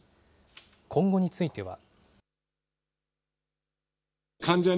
今後については。